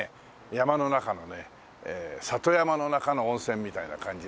山の中のね里山の中の温泉みたいな感じなんですけどもね。